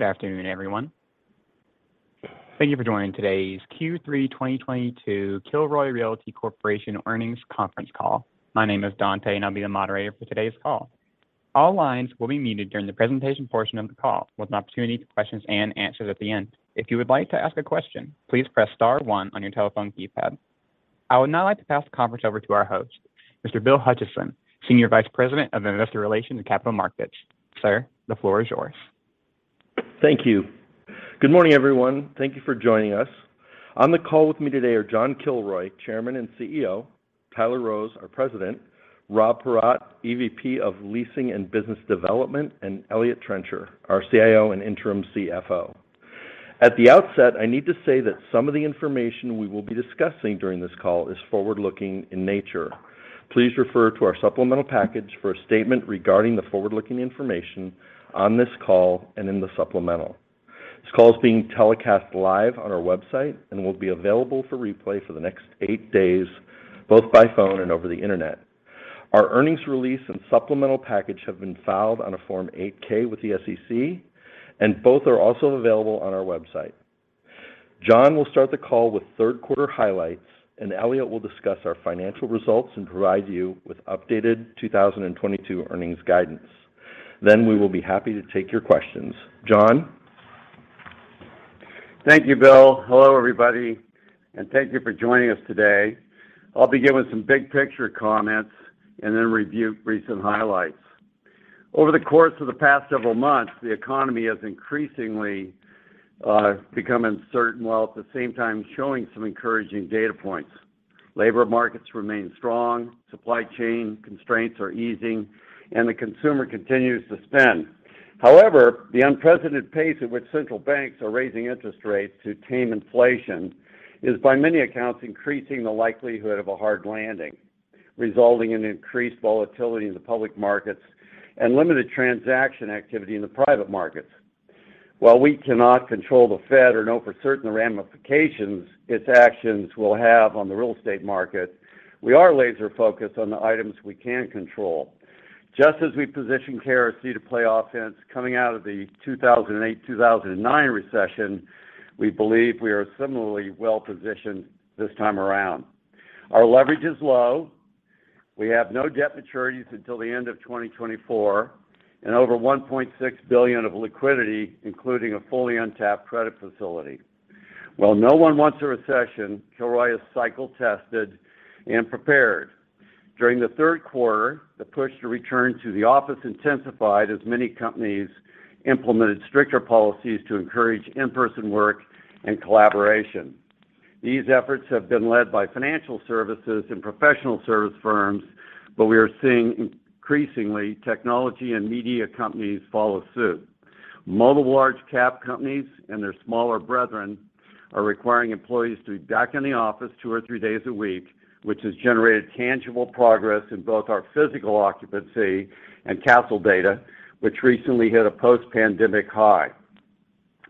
Good afternoon, everyone. Thank you for joining today's Q3 2022 Kilroy Realty Corporation Earnings Conference Call. My name is Dante, and I'll be the moderator for today's call. All lines will be muted during the presentation portion of the call with an opportunity for questions and answers at the end. If you would like to ask a question, please press star one on your telephone keypad. I would now like to pass the conference over to our host, Mr. Bill Hutcheson, Senior Vice President of Investor Relations and Capital Markets. Sir, the floor is yours. Thank you. Good morning, everyone. Thank you for joining us. On the call with me today are John Kilroy, Chairman and CEO, Tyler Rose, our President, Rob Paratte, EVP of Leasing and Business Development, and Eliott Trencher, our CIO and Interim CFO. At the outset, I need to say that some of the information we will be discussing during this call is forward-looking in nature. Please refer to our supplemental package for a statement regarding the forward-looking information on this call and in the supplemental. This call is being telecast live on our website and will be available for replay for the next eight days, both by phone and over the internet. Our earnings release and supplemental package have been filed on a Form 8-K with the SEC, and both are also available on our website. John will start the call with third quarter highlights, and Elliot will discuss our financial results and provide you with updated 2022 earnings guidance. We will be happy to take your questions. John? Thank you, Bill. Hello, everybody, and thank you for joining us today. I'll begin with some big picture comments and then review recent highlights. Over the course of the past several months, the economy has increasingly become uncertain, while at the same time showing some encouraging data points. Labor markets remain strong, supply chain constraints are easing, and the consumer continues to spend. However, the unprecedented pace at which central banks are raising interest rates to tame inflation is, by many accounts, increasing the likelihood of a hard landing, resulting in increased volatility in the public markets and limited transaction activity in the private markets. While we cannot control the Fed or know for certain the ramifications its actions will have on the real estate market, we are laser focused on the items we can control. Just as we positioned KRC to play offense coming out of the 2008, 2009 recession, we believe we are similarly well positioned this time around. Our leverage is low. We have no debt maturities until the end of 2024, and over $1.6 billion of liquidity, including a fully untapped credit facility. While no one wants a recession, Kilroy is cycle tested and prepared. During the third quarter, the push to return to the office intensified as many companies implemented stricter policies to encourage in-person work and collaboration. These efforts have been led by financial services and professional service firms, but we are seeing increasingly technology and media companies follow suit. Multiple large cap companies and their smaller brethren are requiring employees to be back in the office 2 or 3 days a week, which has generated tangible progress in both our physical occupancy and Kastle data, which recently hit a post-pandemic high.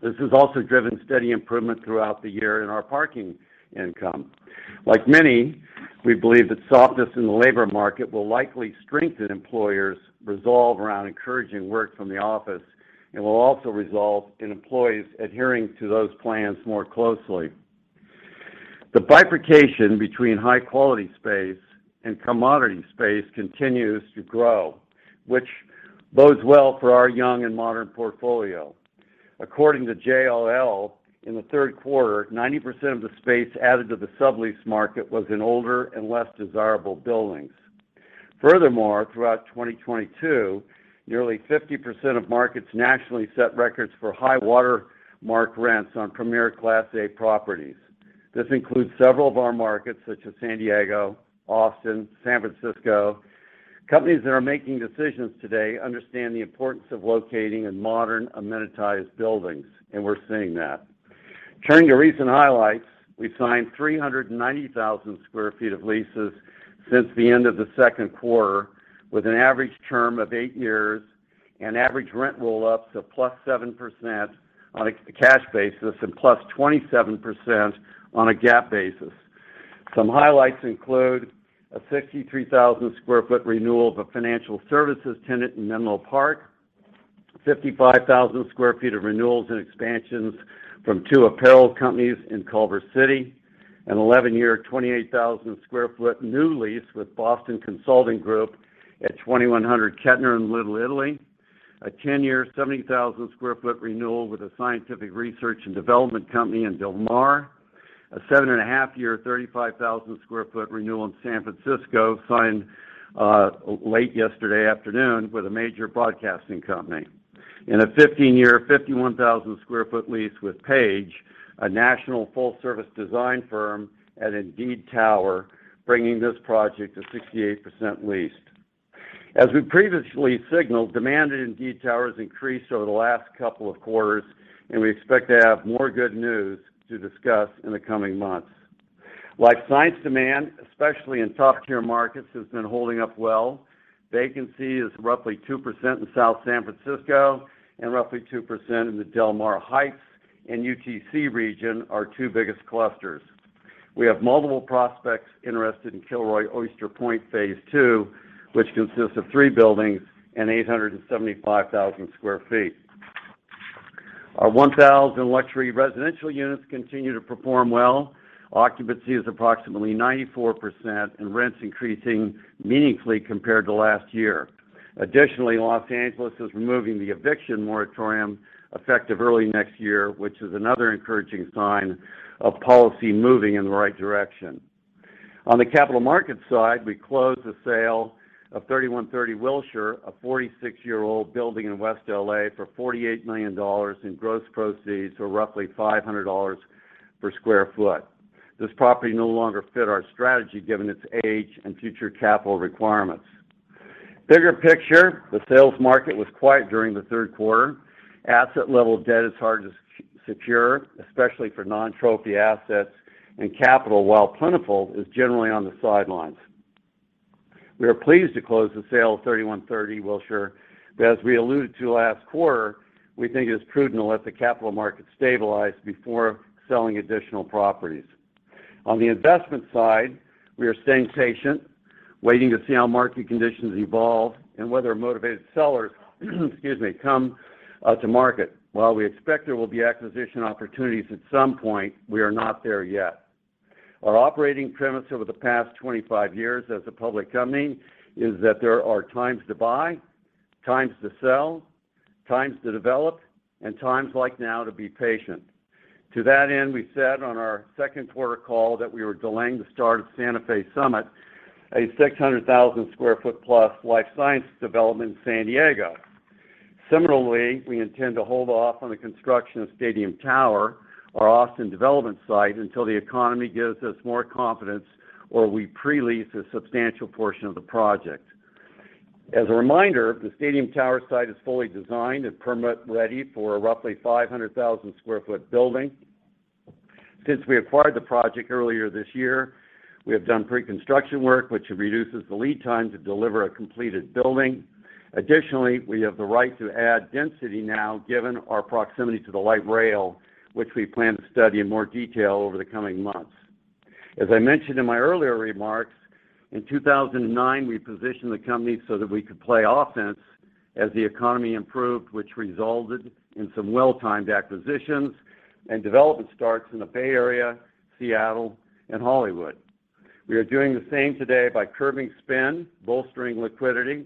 This has also driven steady improvement throughout the year in our parking income. Like many, we believe that softness in the labor market will likely strengthen employers' resolve around encouraging work from the office and will also result in employees adhering to those plans more closely. The bifurcation between high quality space and commodity space continues to grow, which bodes well for our young and modern portfolio. According to JLL, in the third quarter, 90% of the space added to the sublease market was in older and less desirable buildings. Furthermore, throughout 2022, nearly 50% of markets nationally set records for high watermark rents on premier Class A properties. This includes several of our markets, such as San Diego, Austin, San Francisco. Companies that are making decisions today understand the importance of locating in modern, amenitized buildings, and we're seeing that. Turning to recent highlights, we've signed 390,000 sq ft of leases since the end of the second quarter, with an average term of 8 years and average rent roll-ups of +7% on a cash basis and +27% on a GAAP basis. Some highlights include a 63,000 sq ft renewal of a financial services tenant in Menlo Park, 55,000 sq ft of renewals and expansions from two apparel companies in Culver City, an 11-year, 28,000 sq ft new lease with Boston Consulting Group at 2,100 Kettner in Little Italy, a 10-year, 70,000 sq ft renewal with a scientific research and development company in Del Mar, a 7.5-year, 35,000 sq ft renewal in San Francisco, signed late yesterday afternoon with a major broadcasting company, and a 15-year, 51,000 sq ft lease with Page, a national full-service design firm at Indeed Tower, bringing this project to 68% leased. As we previously signaled, demand at Indeed Tower has increased over the last couple of quarters, and we expect to have more good news to discuss in the coming months. Life science demand, especially in top tier markets, has been holding up well. Vacancy is roughly 2% in South San Francisco and roughly 2% in the Del Mar Heights and UTC region, our 2 biggest clusters. We have multiple prospects interested in Kilroy Oyster Point phase II, which consists of 3 buildings and 875,000 sq ft. Our 1,000 luxury residential units continue to perform well. Occupancy is approximately 94% and rents increasing meaningfully compared to last year. Additionally, Los Angeles is removing the eviction moratorium effective early next year, which is another encouraging sign of policy moving in the right direction. On the capital market side, we closed the sale of 3130 Wilshire, a 46-year-old building in West L.A. for $48 million in gross proceeds, or roughly $500 per sq ft. This property no longer fit our strategy given its age and future capital requirements. Bigger picture, the sales market was quiet during the third quarter. Asset level debt is hard to secure, especially for non-trophy assets. Capital, while plentiful, is generally on the sidelines. We are pleased to close the sale of 3130 Wilshire, but as we alluded to last quarter, we think it is prudent to let the capital markets stabilize before selling additional properties. On the investment side, we are staying patient, waiting to see how market conditions evolve and whether motivated sellers, excuse me, come to market. While we expect there will be acquisition opportunities at some point, we are not there yet. Our operating premise over the past 25 years as a public company is that there are times to buy, times to sell, times to develop, and times like now to be patient. To that end, we said on our second quarter call that we were delaying the start of Santa Fe Summit, a 600,000 sq ft plus life science development in San Diego. Similarly, we intend to hold off on the construction of Stadium Tower, our Austin development site, until the economy gives us more confidence, or we pre-lease a substantial portion of the project. As a reminder, the Stadium Tower site is fully designed and permit ready for a roughly 500,000 sq ft building. Since we acquired the project earlier this year, we have done pre-construction work, which reduces the lead time to deliver a completed building. Additionally, we have the right to add density now given our proximity to the light rail, which we plan to study in more detail over the coming months. As I mentioned in my earlier remarks, in 2009, we positioned the company so that we could play offense as the economy improved, which resulted in some well-timed acquisitions and development starts in the Bay Area, Seattle, and Hollywood. We are doing the same today by curbing spend, bolstering liquidity,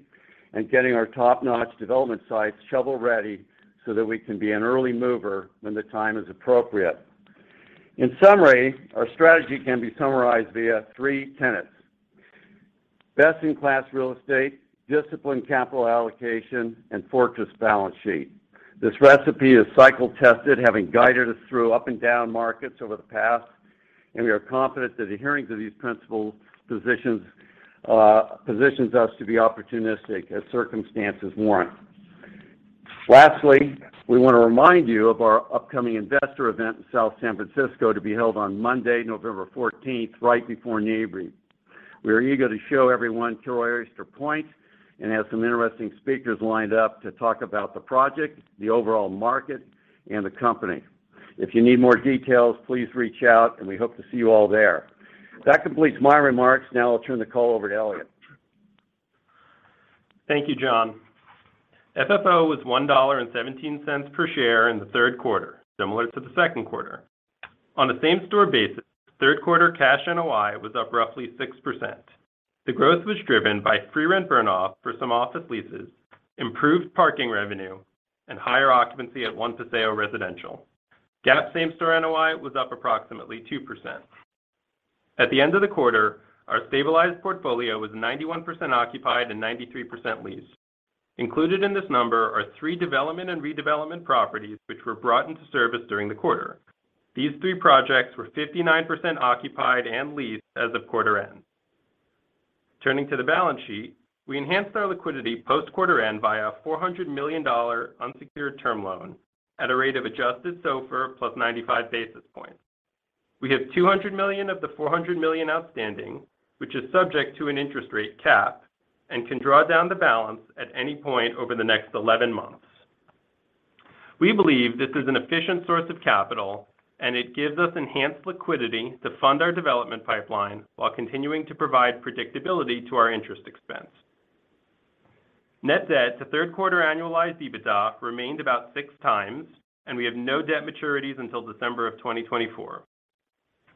and getting our top-notch development sites shovel-ready so that we can be an early mover when the time is appropriate. In summary, our strategy can be summarized via three tenets. Best-in-class real estate, disciplined capital allocation, and fortress balance sheet. This recipe is cycle tested, having guided us through up and down markets over the past, and we are confident that adhering to these principles positions us to be opportunistic as circumstances warrant. Lastly, we want to remind you of our upcoming investor event in South San Francisco to be held on Monday, November 14th, right before NAREIT. We are eager to show everyone Kilroy Oyster Point and have some interesting speakers lined up to talk about the project, the overall market, and the company. If you need more details, please reach out, and we hope to see you all there. That completes my remarks. Now I'll turn the call over to Eliott. Thank you, John. FFO was $1.17 per share in the third quarter, similar to the second quarter. On a same-store basis, third quarter cash NOI was up roughly 6%. The growth was driven by free rent burn-off for some office leases, improved parking revenue, and higher occupancy at One Paseo residential. GAAP same-store NOI was up approximately 2%. At the end of the quarter, our stabilized portfolio was 91% occupied and 93% leased. Included in this number are three development and redevelopment properties which were brought into service during the quarter. These three projects were 59% occupied and leased as of quarter end. Turning to the balance sheet, we enhanced our liquidity post quarter end via a $400 million unsecured term loan at a rate of adjusted SOFR + 95 basis points. We have $200 million of the $400 million outstanding, which is subject to an interest rate cap, and can draw down the balance at any point over the next 11 months. We believe this is an efficient source of capital, and it gives us enhanced liquidity to fund our development pipeline while continuing to provide predictability to our interest expense. Net debt to third quarter annualized EBITDA remained about 6x, and we have no debt maturities until December 2024.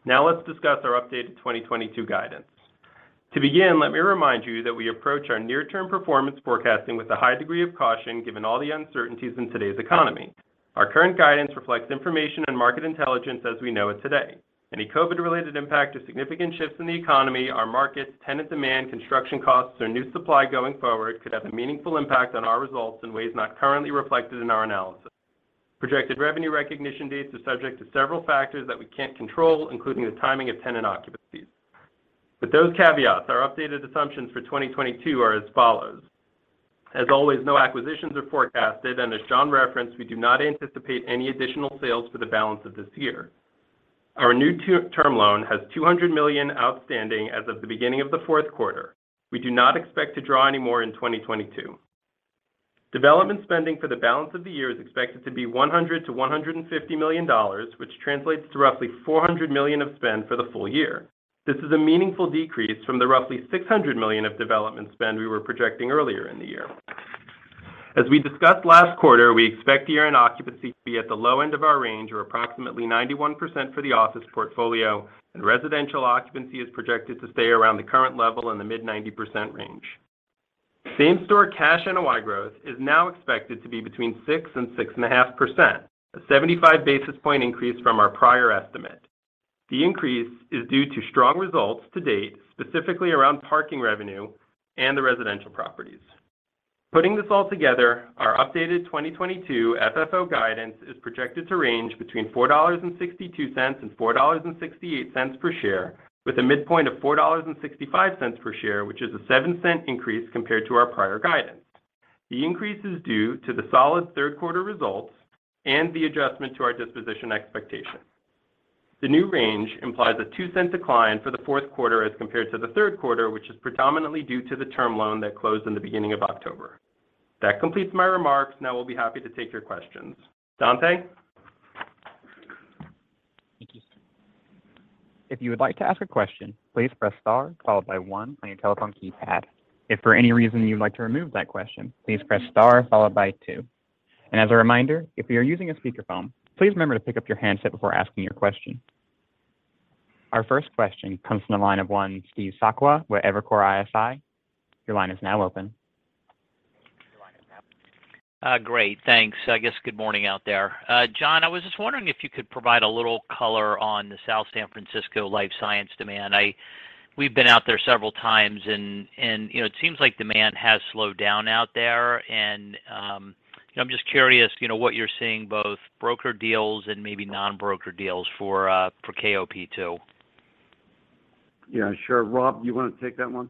Now let's discuss our updated 2022 guidance. To begin, let me remind you that we approach our near-term performance forecasting with a high degree of caution, given all the uncertainties in today's economy. Our current guidance reflects information and market intelligence as we know it today. Any COVID-related impact or significant shifts in the economy or markets, tenant demand, construction costs, or new supply going forward could have a meaningful impact on our results in ways not currently reflected in our analysis. Projected revenue recognition dates are subject to several factors that we can't control, including the timing of tenant occupancies. With those caveats, our updated assumptions for 2022 are as follows. As always, no acquisitions are forecasted, and as John referenced, we do not anticipate any additional sales for the balance of this year. Our new term loan has $200 million outstanding as of the beginning of the fourth quarter. We do not expect to draw any more in 2022. Development spending for the balance of the year is expected to be $100-$150 million, which translates to roughly $400 million of spend for the full year. This is a meaningful decrease from the roughly $600 million of development spend we were projecting earlier in the year. We expect year-end occupancy to be at the low end of our range or approximately 91% for the office portfolio, and residential occupancy is projected to stay around the current level in the mid-90% range. Same-store cash NOI growth is now expected to be between 6%-6.5%, a 75 basis point increase from our prior estimate. The increase is due to strong results to date, specifically around parking revenue and the residential properties. Putting this all together, our updated 2022 FFO guidance is projected to range between $4.62 and $4.68 per share, with a midpoint of $4.65 per share, which is a 7-cent increase compared to our prior guidance. The increase is due to the solid third quarter results and the adjustment to our disposition expectation. The new range implies a 2-cent decline for the fourth quarter as compared to the third quarter, which is predominantly due to the term loan that closed in the beginning of October. That completes my remarks. Now we'll be happy to take your questions. Dante? Thank you. If you would like to ask a question, please press star followed by one on your telephone keypad. If for any reason you'd like to remove that question, please press star followed by two. As a reminder, if you're using a speakerphone, please remember to pick up your handset before asking your question. Our first question comes from the line of Steve Sakwa with Evercore ISI. Your line is now open. Great. Thanks. I guess good morning out there. John, I was just wondering if you could provide a little color on the South San Francisco life science demand. We've been out there several times and, you know, it seems like demand has slowed down out there. You know, I'm just curious, you know, what you're seeing both broker deals and maybe non-broker deals for KRC too. Yeah, sure. Rob, you wanna take that one?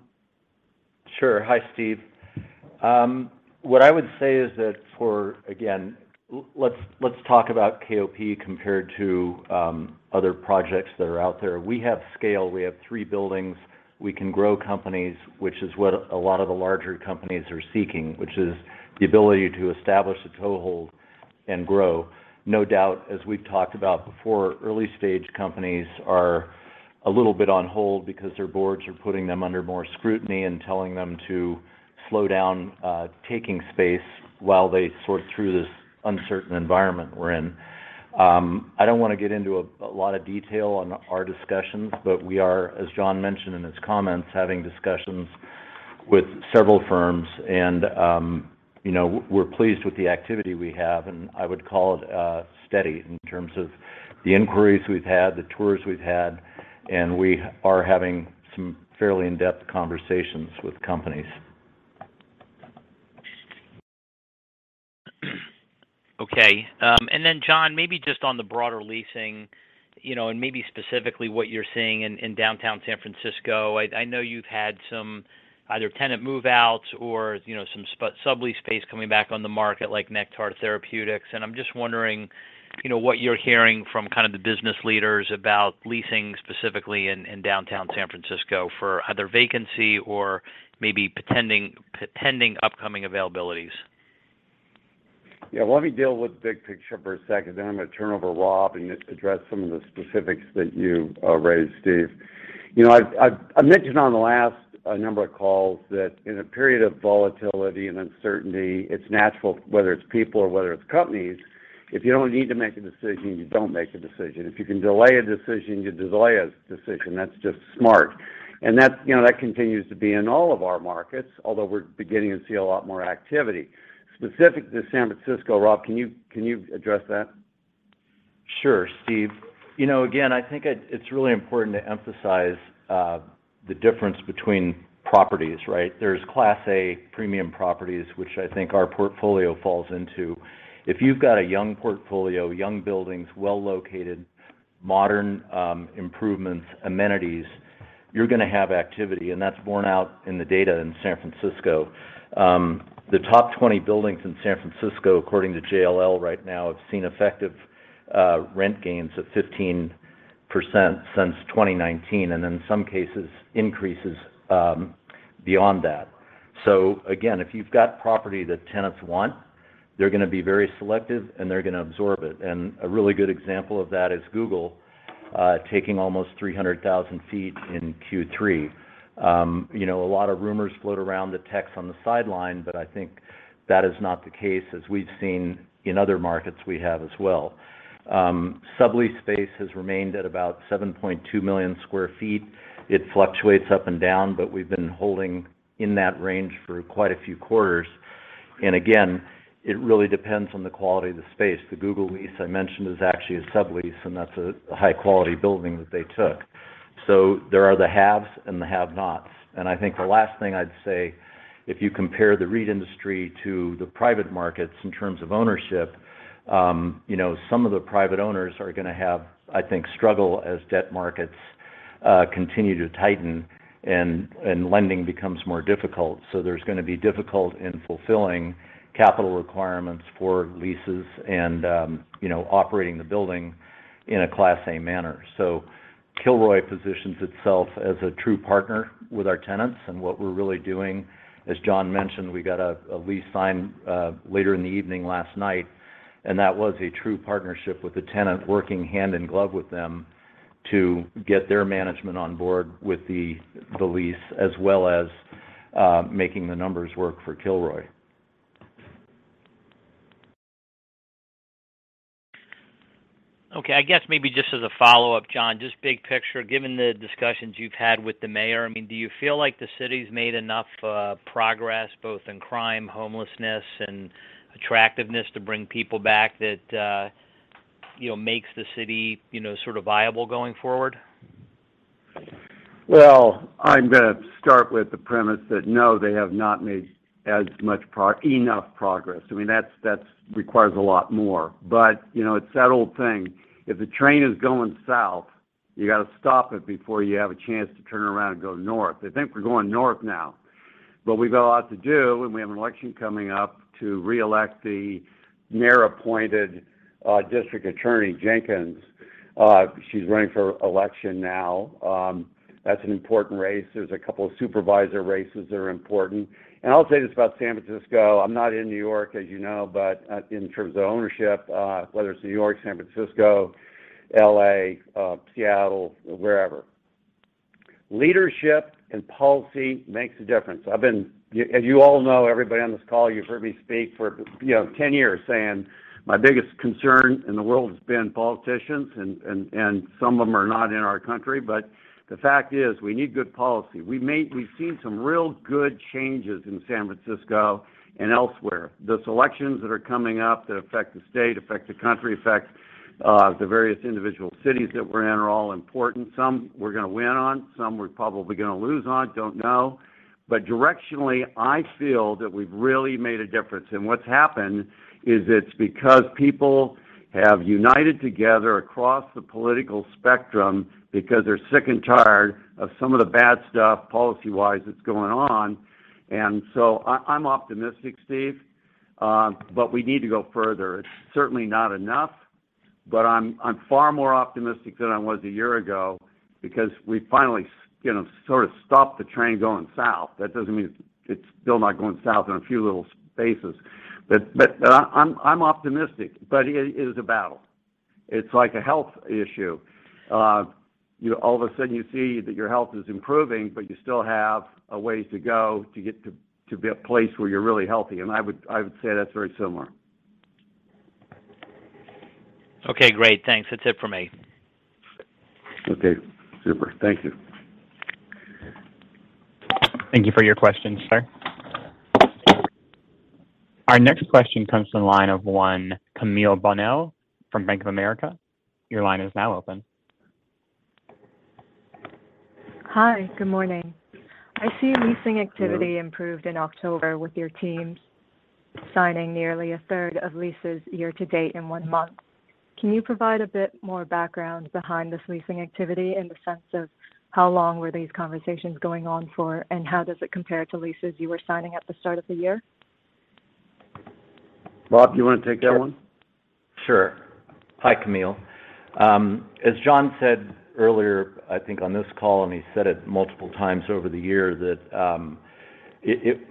Sure. Hi, Steve. What I would say is that for, again, let's talk about KOP compared to other projects that are out there. We have scale, we have three buildings. We can grow companies, which is what a lot of the larger companies are seeking, which is the ability to establish a toehold and grow. No doubt, as we've talked about before, early stage companies are a little bit on hold because their boards are putting them under more scrutiny and telling them to slow down, taking space while they sort through this uncertain environment we're in. I don't wanna get into a lot of detail on our discussions, but we are, as John mentioned in his comments, having discussions with several firms and, you know, we're pleased with the activity we have, and I would call it steady in terms of the inquiries we've had, the tours we've had, and we are having some fairly in-depth conversations with companies. Okay. John, maybe just on the broader leasing, you know, and maybe specifically what you're seeing in downtown San Francisco. I know you've had some either tenant move-outs or, you know, some sublease space coming back on the market like Nektar Therapeutics, and I'm just wondering, you know, what you're hearing from kind of the business leaders about leasing specifically in downtown San Francisco for either vacancy or maybe pending upcoming availabilities. Yeah. Let me deal with the big picture for a second, then I'm gonna turn it over to Rob and address some of the specifics that you raised, Steve. You know, I've mentioned on the last number of calls that in a period of volatility and uncertainty, it's natural, whether it's people or whether it's companies, if you don't need to make a decision, you don't make a decision. If you can delay a decision, you delay a decision. That's just smart. And that's, you know, that continues to be in all of our markets, although we're beginning to see a lot more activity. Specific to San Francisco, Rob, can you address that? Sure. Steve, you know, again, I think it's really important to emphasize the difference between properties, right? There's Class A premium properties, which I think our portfolio falls into. If you've got a young portfolio, young buildings, well-located, modern improvements, amenities, you're gonna have activity, and that's borne out in the data in San Francisco. The top 20 buildings in San Francisco, according to JLL right now, have seen effective rent gains of 15% since 2019, and in some cases, increases beyond that. Again, if you've got property that tenants want, they're gonna be very selective, and they're gonna absorb it. A really good example of that is Google taking almost 300,000 sq ft in Q3. You know, a lot of rumors float around the techs on the sideline, but I think that is not the case as we've seen in other markets we have as well. Sublease space has remained at about 7.2 million sq ft. It fluctuates up and down, but we've been holding in that range for quite a few quarters. Again, it really depends on the quality of the space. The Google lease I mentioned is actually a sublease, and that's a high-quality building that they took. So there are the haves and the have-nots. I think the last thing I'd say, if you compare the REIT industry to the private markets in terms of ownership, you know, some of the private owners are gonna have, I think, struggle as debt markets continue to tighten and lending becomes more difficult. There's gonna be difficulty in fulfilling capital requirements for leases and operating the building in a Class A manner. Kilroy positions itself as a true partner with our tenants. What we're really doing, as John mentioned, we got a lease signed later in the evening last night, and that was a true partnership with the tenant, working hand in glove with them to get their management on board with the lease, as well as making the numbers work for Kilroy. Okay. I guess maybe just as a follow-up, John, just big picture, given the discussions you've had with the mayor, I mean, do you feel like the city's made enough progress, both in crime, homelessness, and attractiveness to bring people back that you know makes the city you know sort of viable going forward? I'm gonna start with the premise that no, they have not made as much enough progress. I mean, that's requires a lot more. You know, it's that old saying, if the train is going south, you gotta stop it before you have a chance to turn around and go north. I think we're going north now. We've got a lot to do, and we have an election coming up to re-elect the mayor-appointed district attorney, Jenkins. She's running for election now. That's an important race. There's a couple of supervisor races that are important. I'll say this about San Francisco. I'm not in New York, as you know, but in terms of ownership, whether it's New York, San Francisco, L.A., Seattle, wherever. Leadership and policy makes a difference. I've been. As you all know, everybody on this call, you've heard me speak for, you know, 10 years saying my biggest concern in the world has been politicians and some of them are not in our country. But the fact is, we need good policy. We've seen some real good changes in San Francisco and elsewhere. Those elections that are coming up that affect the state, affect the country, affect the various individual cities that we're in, are all important. Some we're gonna win on, some we're probably gonna lose on, don't know. But directionally, I feel that we've really made a difference. What's happened is it's because people have united together across the political spectrum because they're sick and tired of some of the bad stuff, policy-wise, that's going on. I'm optimistic, Steve, but we need to go further. It's certainly not enough, but I'm far more optimistic than I was a year ago because we finally you know, sort of stopped the train going south. That doesn't mean it's still not going south in a few little spaces. I'm optimistic. It is a battle. It's like a health issue. You know, all of a sudden you see that your health is improving, but you still have a ways to go to get to a place where you're really healthy. I would say that's very similar. Okay, great. Thanks. That's it for me. Okay, super. Thank you. Thank you for your question, sir. Our next question comes from the line of one Camille Bonnel from Bank of America. Your line is now open. Hi. Good morning. Hello. I see leasing activity improved in October with your teams signing nearly a third of leases year to date in one month. Can you provide a bit more background behind this leasing activity in the sense of how long were these conversations going on for, and how does it compare to leases you were signing at the start of the year? Rob, do you wanna take that one? Sure. Hi, Camille. As John said earlier, I think on this call, and he said it multiple times over the year, that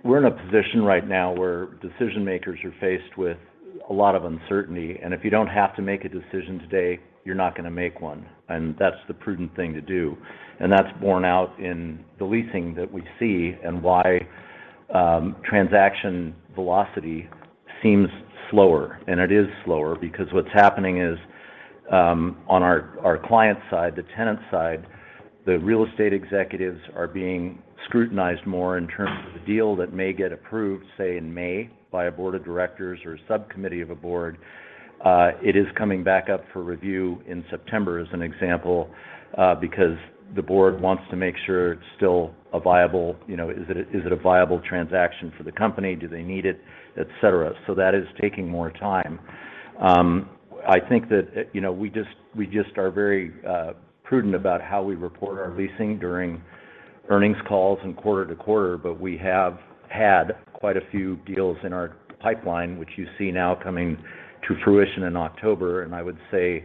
we're in a position right now where decision-makers are faced with a lot of uncertainty, and if you don't have to make a decision today, you're not gonna make one. That's the prudent thing to do. That's borne out in the leasing that we see and why transaction velocity seems slower. It is slower because what's happening is, on our client side, the tenant side, the real estate executives are being scrutinized more in terms of the deal that may get approved, say in May, by a board of directors or subcommittee of a board. It is coming back up for review in September, as an example, because the board wants to make sure it's still a viable, you know, is it a viable transaction for the company? Do they need it, et cetera. That is taking more time. I think that, you know, we just are very prudent about how we report our leasing during earnings calls and quarter to quarter, but we have had quite a few deals in our pipeline, which you see now coming to fruition in October. I would say,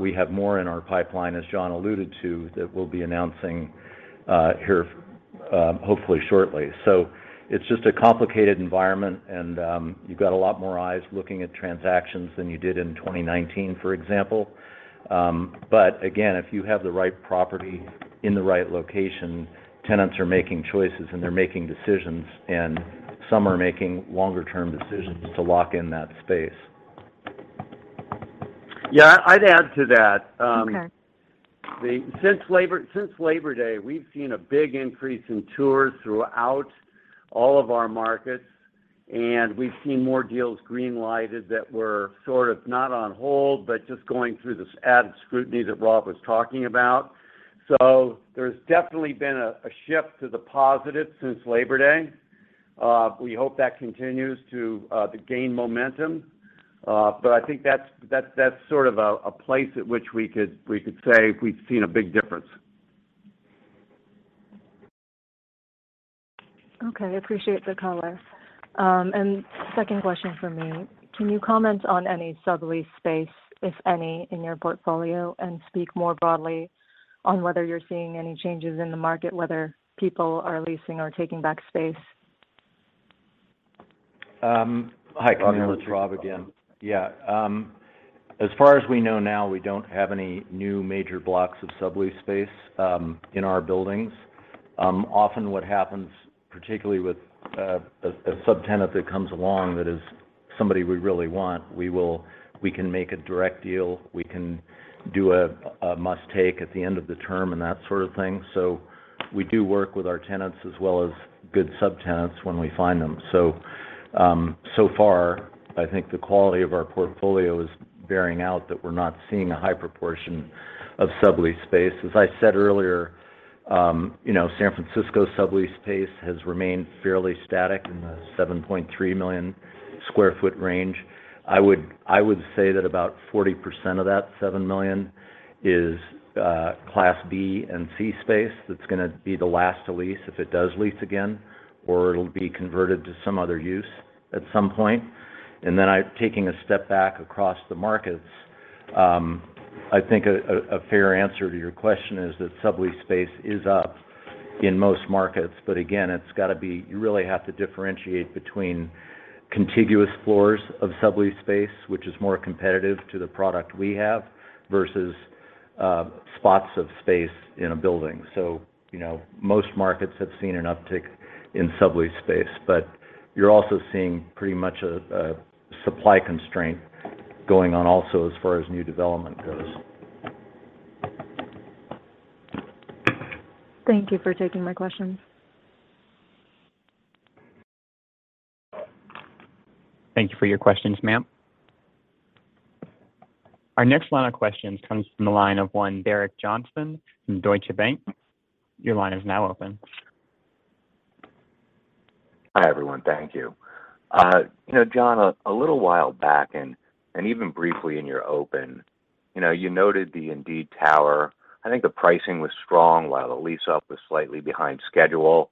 we have more in our pipeline, as John alluded to, that we'll be announcing here, hopefully shortly. It's just a complicated environment and, you've got a lot more eyes looking at transactions than you did in 2019, for example. again, if you have the right property in the right location, tenants are making choices and they're making decisions, and some are making longer term decisions to lock in that space. Yeah, I'd add to that. Okay. Since Labor Day, we've seen a big increase in tours throughout all of our markets, and we've seen more deals green-lighted that were sort of not on hold, but just going through this added scrutiny that Rob was talking about. There's definitely been a shift to the positive since Labor Day. We hope that continues to gain momentum. I think that's sort of a place at which we could say we've seen a big difference. Okay. I appreciate the color. And second question for me, can you comment on any sublease space, if any, in your portfolio, and speak more broadly on whether you're seeing any changes in the market, whether people are leasing or taking back space? Hi, Camille. It's Rob again. Yeah. As far as we know now, we don't have any new major blocks of sublease space in our buildings. Often what happens, particularly with a subtenant that comes along that is somebody we really want, we can make a direct deal. We can do a must-take at the end of the term, and that sort of thing. We do work with our tenants as well as good subtenants when we find them. So far, I think the quality of our portfolio is bearing out that we're not seeing a high proportion of sublease space. As I said earlier, you know, San Francisco sublease space has remained fairly static in the 7.3 million sq ft range. I would say that about 40% of that 7 million is Class B and C space that's gonna be the last to lease if it does lease again, or it'll be converted to some other use at some point. Taking a step back across the markets, I think a fair answer to your question is that sublease space is up in most markets, but again, it's gotta be. You really have to differentiate between contiguous floors of sublease space, which is more competitive to the product we have, versus spots of space in a building. You know, most markets have seen an uptick in sublease space, but you're also seeing pretty much a supply constraint going on also as far as new development goes. Thank you for taking my questions. Thank you for your questions, ma'am. Our next line of questions comes from the line of one Derek Johnston from Deutsche Bank. Your line is now open. Hi, everyone. Thank you. You know, John, a little while back and even briefly in your open, you know, you noted the Indeed Tower. I think the pricing was strong while the lease up was slightly behind schedule.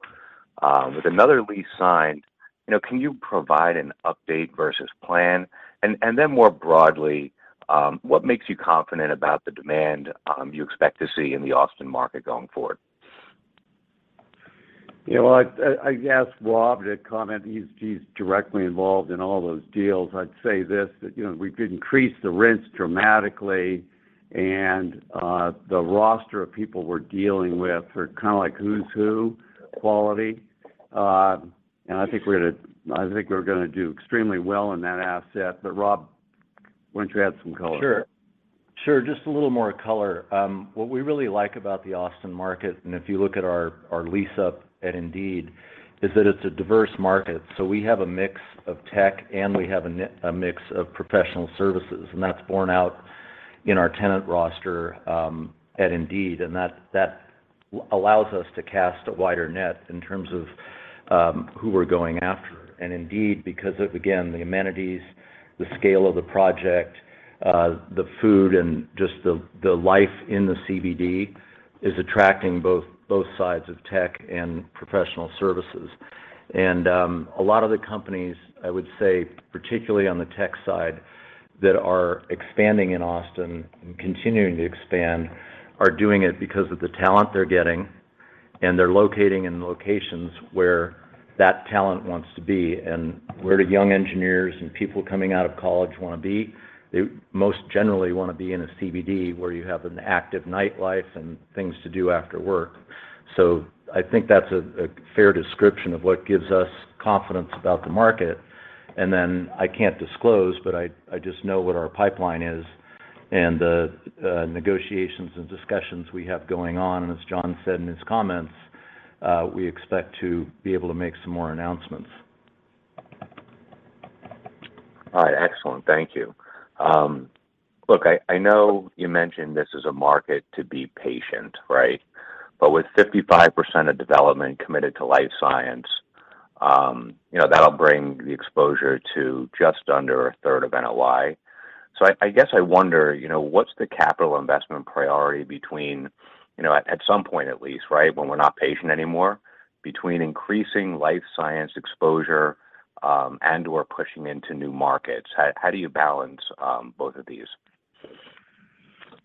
With another lease signed, you know, can you provide an update versus plan? More broadly, what makes you confident about the demand you expect to see in the Austin market going forward? You know what? I ask Rob to comment. He's directly involved in all those deals. I'd say this, that, you know, we've increased the rents dramatically and the roster of people we're dealing with are kinda like who's who quality. I think we're gonna do extremely well in that asset. Rob, why don't you add some color? Sure. Just a little more color. What we really like about the Austin market, and if you look at our lease-up at Indeed, is that it's a diverse market. We have a mix of tech, and we have a mix of professional services, and that's borne out in our tenant roster at Indeed, and that allows us to cast a wider net in terms of who we're going after. Indeed, because of, again, the amenities, the scale of the project, the food and just the life in the CBD is attracting both sides of tech and professional services. A lot of the companies, I would say, particularly on the tech side, that are expanding in Austin and continuing to expand, are doing it because of the talent they're getting, and they're locating in locations where that talent wants to be. Where do young engineers and people coming out of college wanna be? They most generally wanna be in a CBD where you have an active nightlife and things to do after work. I think that's a fair description of what gives us confidence about the market. I can't disclose, but I just know what our pipeline is and the negotiations and discussions we have going on. As John said in his comments, we expect to be able to make some more announcements. All right. Excellent. Thank you. Look, I know you mentioned this is a market to be patient, right? But with 55% of development committed to life science, you know, that'll bring the exposure to just under a third of NOI. So I guess I wonder, you know, what's the capital investment priority between, you know, at some point at least, right, when we're not patient anymore, between increasing life science exposure, and/or pushing into new markets? How do you balance both of these?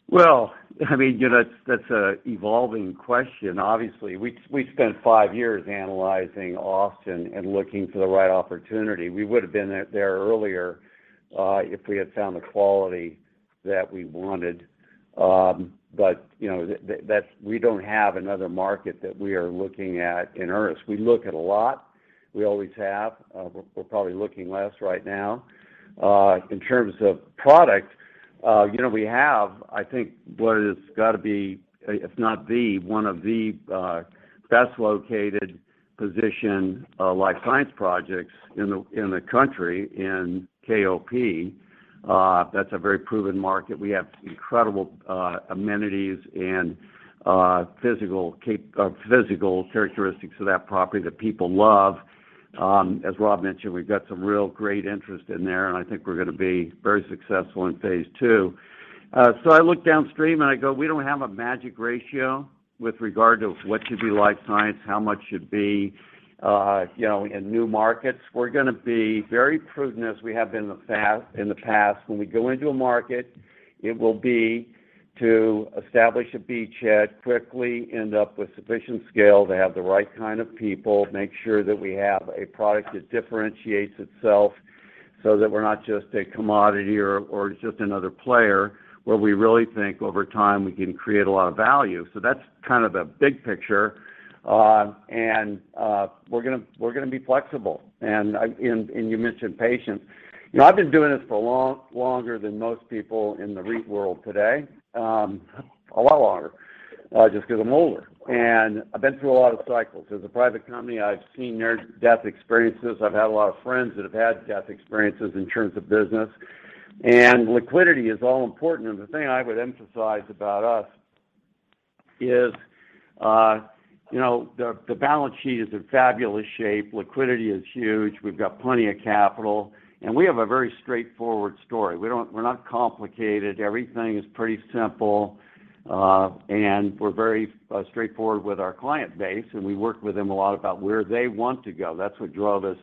Well, I mean, you know, that's an evolving question, obviously. We spent five years analyzing Austin and looking for the right opportunity. We would've been there earlier if we had found the quality that we wanted. But, you know, we don't have another market that we are looking at in earnest. We look at a lot. We always have. We're probably looking less right now. In terms of product, you know, we have, I think, what is gotta be, if not the one of the best located position life science projects in the country in KOP. That's a very proven market. We have incredible amenities and physical characteristics of that property that people love. As Rob mentioned, we've got some real great interest in there, and I think we're gonna be very successful in phase two. I look downstream, and I go, we don't have a magic ratio with regard to what should be life science, how much should be, you know, in new markets. We're gonna be very prudent as we have been in the past. When we go into a market, it will be to establish a beachhead quickly, end up with sufficient scale to have the right kind of people, make sure that we have a product that differentiates itself, so that we're not just a commodity or just another player, where we really think over time we can create a lot of value. That's kind of a big picture. We're gonna be flexible. You mentioned patience. You know, I've been doing this for longer than most people in the REIT world today, a lot longer, just 'cause I'm older. I've been through a lot of cycles. As a private company, I've seen near-death experiences. I've had a lot of friends that have had death experiences in terms of business. Liquidity is all important. The thing I would emphasize about us is the balance sheet is in fabulous shape. Liquidity is huge. We've got plenty of capital, and we have a very straightforward story. We're not complicated. Everything is pretty simple, and we're very straightforward with our client base, and we work with them a lot about where they want to go. That's what drove us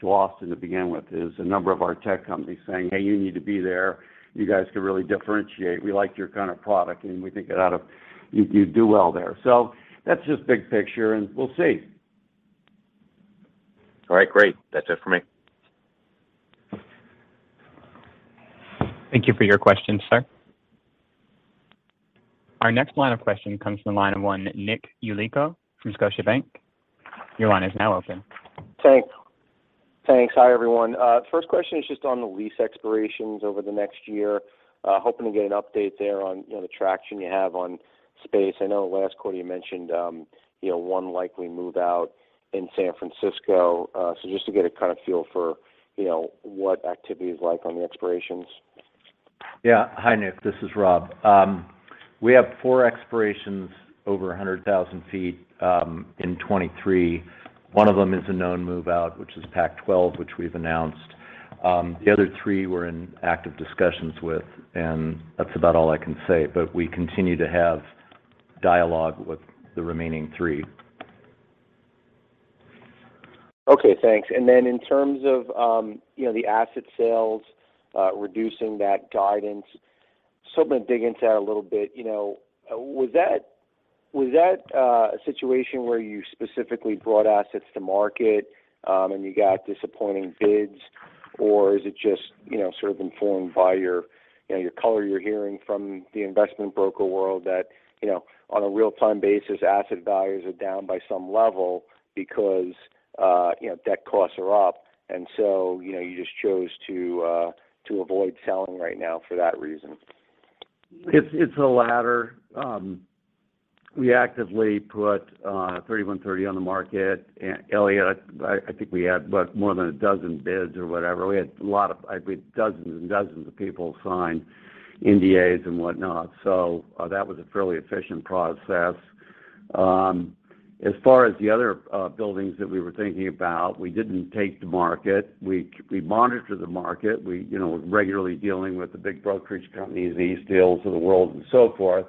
to Austin to begin with, is a number of our tech companies saying, "Hey, you need to be there. You guys can really differentiate. We like your kind of product, and we think you'd do well there." That's just big picture, and we'll see. All right. Great. That's it for me. Thank you for your question, sir. Our next line of questions comes from the line of one Nicholas Yulico from Scotiabank. Your line is now open. Thanks. Hi, everyone. First question is just on the lease expirations over the next year. Hoping to get an update there on, you know, the traction you have on space. I know last quarter you mentioned, you know, one likely move-out in San Francisco. So just to get a kind of feel for, you know, what activity is like on the expirations. Hi, Nick. This is Rob. We have four expirations over 100,000 sq ft in 2023. One of them is a known move-out, which is Pac-12, which we've announced. The other three we're in active discussions with, and that's about all I can say. We continue to have dialogue with the remaining three. Okay, thanks. In terms of, you know, the asset sales, reducing that guidance, sort of wanna dig into that a little bit. You know, was that a situation where you specifically brought assets to market, and you got disappointing bids? Or is it just, you know, sort of informed by your, you know, your color you're hearing from the investment broker world that, you know, on a real-time basis, asset values are down by some level because, you know, debt costs are up, and so, you know, you just chose to avoid selling right now for that reason? It's the latter. We actively put 3130 on the market. Eliott, I think we had more than a dozen bids or whatever. We had a lot of, I believe, dozens and dozens of people sign NDAs and whatnot. That was a fairly efficient process. As far as the other buildings that we were thinking about, we didn't take to market. We monitor the market. We you know regularly dealing with the big brokerage companies, the Eastdil Secured of the world and so forth.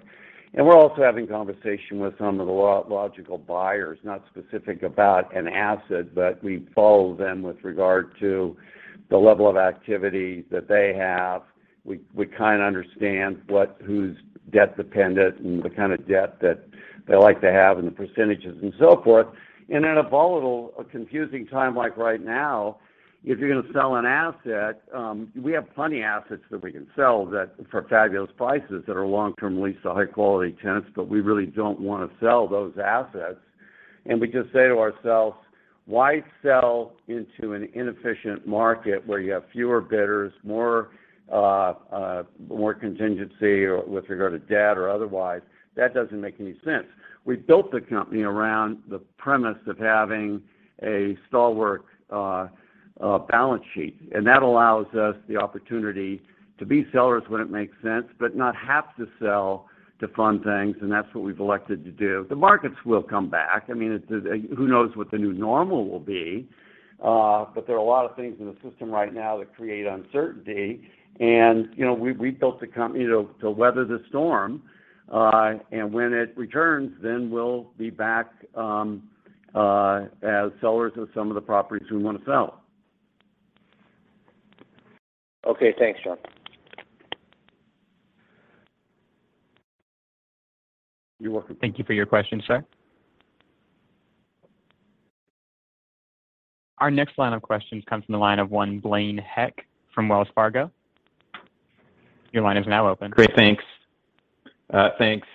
We're also having conversation with some of the logical buyers, not specific about an asset, but we follow them with regard to the level of activity that they have. We kinda understand whose debt's dependent and the kind of debt that they like to have and the percentages and so forth. In a volatile or confusing time like right now, if you're gonna sell an asset, we have plenty of assets that we can sell that for fabulous prices that are long-term lease to high-quality tenants, but we really don't wanna sell those assets. We just say to ourselves, "Why sell into an inefficient market where you have fewer bidders, more contingency or with regard to debt or otherwise?" That doesn't make any sense. We built the company around the premise of having a stalwart balance sheet, and that allows us the opportunity to be sellers when it makes sense, but not have to sell to fund things, and that's what we've elected to do. The markets will come back. I mean, who knows what the new normal will be. There are a lot of things in the system right now that create uncertainty. You know, we built the company to weather the storm. When it returns, then we'll be back as sellers of some of the properties we wanna sell. Okay, thanks, John. You're welcome. Thank you for your question, sir. Our next line of questions comes from the line of Blaine Heck from Wells Fargo. Your line is now open. Great. Thanks. Thanks.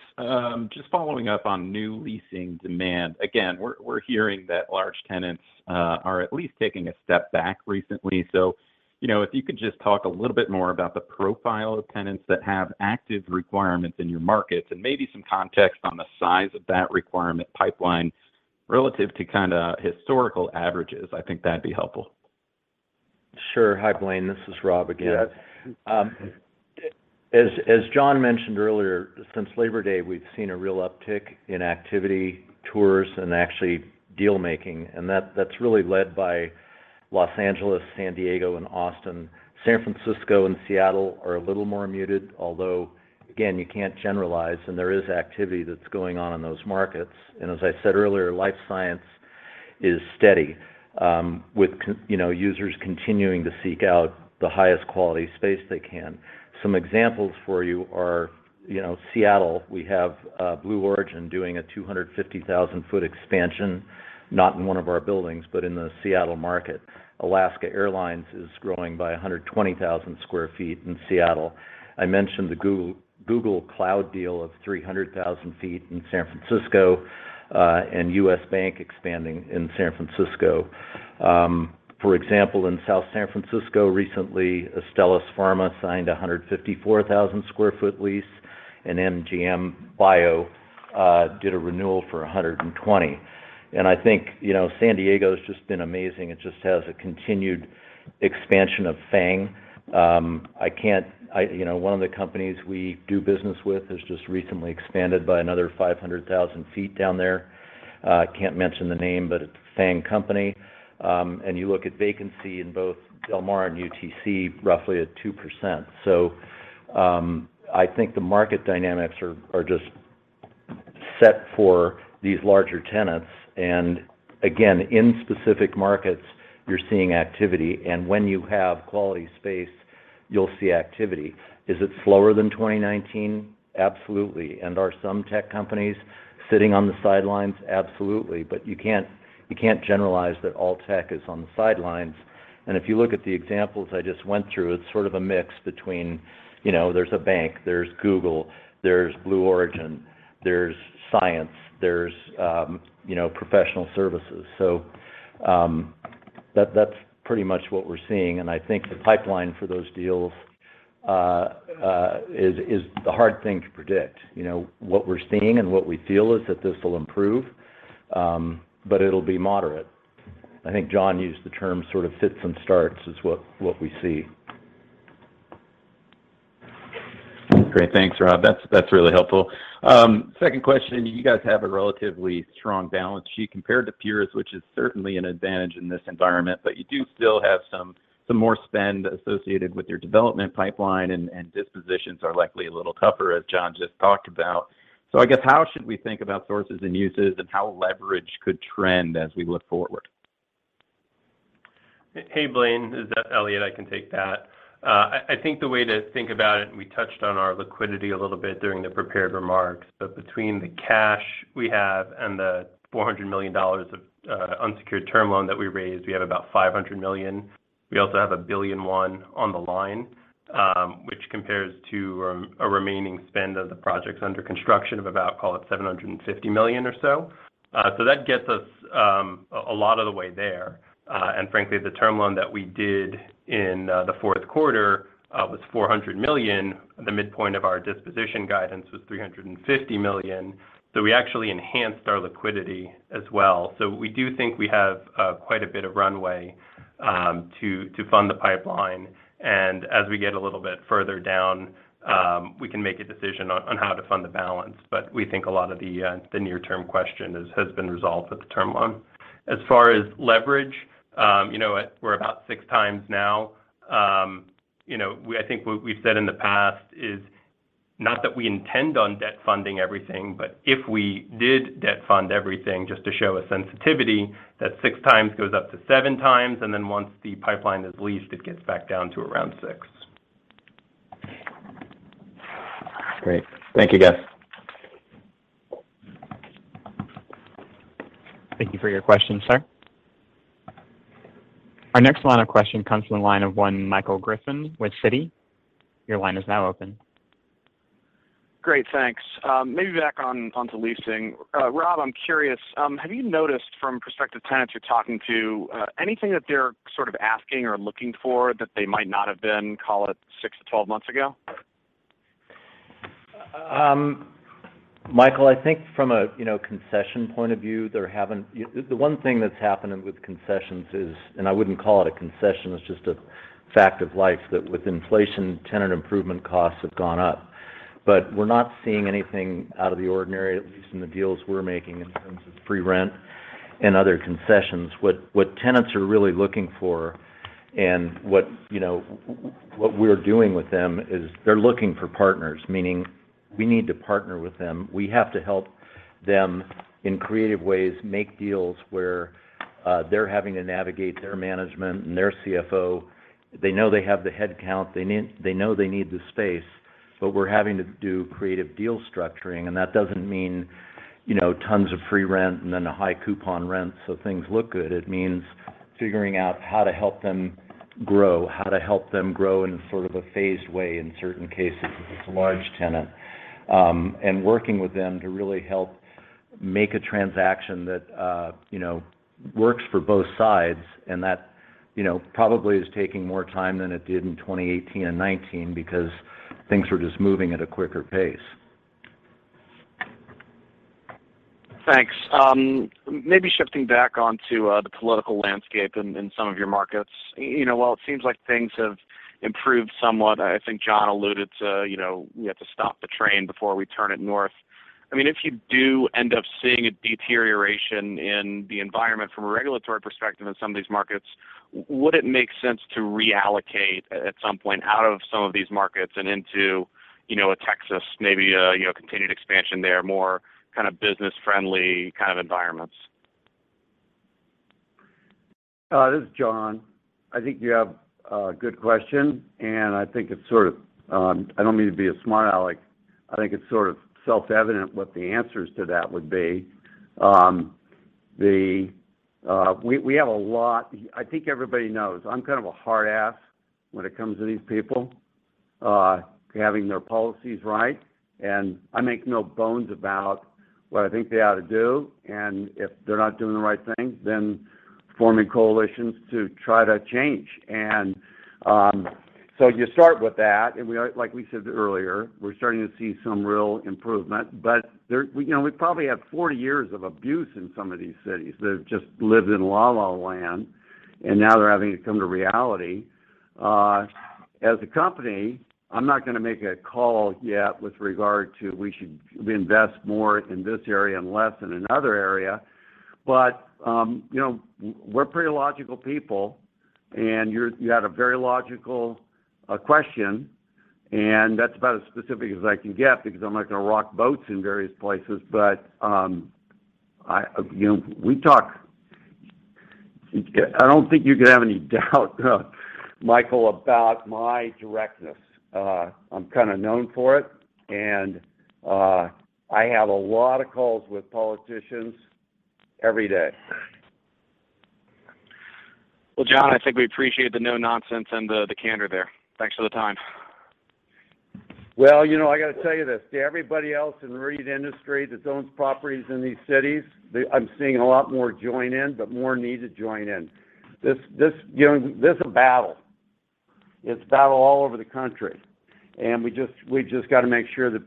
Just following up on new leasing demand. Again, we're hearing that large tenants are at least taking a step back recently. You know, if you could just talk a little bit more about the profile of tenants that have active requirements in your markets, and maybe some context on the size of that requirement pipeline relative to kinda historical averages, I think that'd be helpful. Sure. Hi Blaine, this is Rob again. Yes. As John mentioned earlier, since Labor Day, we've seen a real uptick in activity tours and actually deal making, and that's really led by Los Angeles, San Diego, and Austin. San Francisco and Seattle are a little more muted, although again, you can't generalize, and there is activity that's going on in those markets. As I said earlier, life science is steady, with you know, users continuing to seek out the highest quality space they can. Some examples for you are, you know, Seattle, we have Blue Origin doing a 250,000-foot expansion, not in one of our buildings, but in the Seattle market. Alaska Airlines is growing by 120,000 sq ft in Seattle. I mentioned the Google Cloud deal of 300,000 feet in San Francisco, and U.S. Bank expanding in San Francisco. For example, in South San Francisco, recently, Astellas Pharma signed a 154,000 sq ft lease, and Amgen did a renewal for 120. I think, you know, San Diego's just been amazing. It just has a continued expansion of FAANG. I can't. I, you know, one of the companies we do business with has just recently expanded by another 500,000 sq ft down there. Can't mention the name, but it's a FAANG company. You look at vacancy in both Del Mar and UTC, roughly at 2%. I think the market dynamics are just set for these larger tenants. Again, in specific markets, you're seeing activity, and when you have quality space, you'll see activity. Is it slower than 2019? Absolutely. Are some tech companies sitting on the sidelines? Absolutely. You can't generalize that all tech is on the sidelines. If you look at the examples I just went through, it's sort of a mix between, you know, there's a bank, there's Google, there's Blue Origin, there's science, there's, you know, professional services. That's pretty much what we're seeing. I think the pipeline for those deals is a hard thing to predict. You know, what we're seeing and what we feel is that this will improve, but it'll be moderate. I think John used the term sort of fits and starts is what we see. Great. Thanks, Rob. That's really helpful. Second question, you guys have a relatively strong balance sheet compared to peers, which is certainly an advantage in this environment, but you do still have some more spend associated with your development pipeline and dispositions are likely a little tougher, as John just talked about. I guess, how should we think about sources and uses and how leverage could trend as we look forward? Hey, Blaine. This is Eliott. I can take that. I think the way to think about it, we touched on our liquidity a little bit during the prepared remarks, but between the cash we have and the $400 million of unsecured term loan that we raised, we have about $500 million. We also have $1.1 billion on the line, which compares to a remaining spend of the projects under construction of about, call it $750 million or so. That gets us a lot of the way there. Frankly, the term loan that we did in the fourth quarter was $400 million. The midpoint of our disposition guidance was $350 million. We actually enhanced our liquidity as well. We do think we have quite a bit of runway to fund the pipeline. As we get a little bit further down, we can make a decision on how to fund the balance. We think a lot of the near term question has been resolved with the term loan. As far as leverage, you know, we're at about 6x now. You know, I think what we've said in the past is not that we intend on debt fund everything, but if we did debt fund everything, just to show a sensitivity, that 6x goes up to 7x, and then once the pipeline is leased, it gets back down to around 6. Great. Thank you, guys. Thank you for your question, sir. Our next question comes from the line of Michael Griffin with Citi. Your line is now open. Great, thanks. Maybe back on, onto leasing. Rob, I'm curious, have you noticed from prospective tenants you're talking to, anything that they're sort of asking or looking for that they might not have been, call it 6-12 months ago? Michael, I think from a, you know, concession point of view, there haven't. The one thing that's happened with concessions is, and I wouldn't call it a concession, it's just a fact of life, that with inflation, tenant improvement costs have gone up. We're not seeing anything out of the ordinary, at least in the deals we're making in terms of free rent and other concessions. What tenants are really looking for and what, you know, what we're doing with them is they're looking for partners, meaning we need to partner with them. We have to help them in creative ways make deals where they're having to navigate their management and their CFO. They know they have the head count, they need, they know they need the space, but we're having to do creative deal structuring. That doesn't mean, you know, tons of free rent and then a high coupon rent, so things look good. It means figuring out how to help them grow, how to help them grow in sort of a phased way in certain cases if it's a large tenant, working with them to really help make a transaction that, you know, works for both sides and that, you know, probably is taking more time than it did in 2018 and 2019 because things were just moving at a quicker pace. Thanks. Maybe shifting back onto the political landscape in some of your markets. You know, while it seems like things have improved somewhat, I think John alluded to, you know, we have to stop the train before we turn it north. I mean, if you do end up seeing a deterioration in the environment from a regulatory perspective in some of these markets, would it make sense to reallocate at some point out of some of these markets and into, you know, a Texas, maybe a continued expansion there, more kind of business-friendly kind of environments? This is John. I think you have a good question, and I think it's sort of self-evident what the answers to that would be. We have a lot. I think everybody knows I'm kind of a hard ass when it comes to these people having their policies right, and I make no bones about what I think they ought to do, and if they're not doing the right thing, then forming coalitions to try to change. You start with that, and we are, like we said earlier, we're starting to see some real improvement. You know, we probably have 40 years of abuse in some of these cities. They've just lived in la-la land, and now they're having to come to reality. As a company, I'm not gonna make a call yet with regard to we should invest more in this area and less in another area. You know, we're pretty logical people, and you had a very logical question, and that's about as specific as I can get because I'm not gonna rock boats in various places. You know, we talk. I don't think you could have any doubt, Michael, about my directness. I'm kind of known for it, and I have a lot of calls with politicians every day. Well, John, I think we appreciate the no-nonsense and the candor there. Thanks for the time. Well, you know, I got to tell you this. To everybody else in REIT industry that owns properties in these cities, they, I'm seeing a lot more join in, but more need to join in. This, you know, this a battle. It's a battle all over the country, and we just got to make sure that